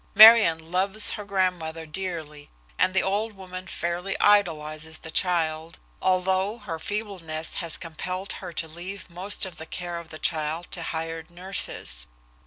"Marion loves her grandmother dearly, and the old woman fairly idolizes the child, although her feebleness has compelled her to leave most of the care of the child to hired nurses.